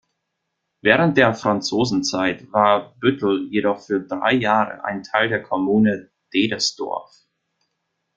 Während der Franzosenzeit war Büttel jedoch für drei Jahre ein Teil der Kommune Dedesdorf.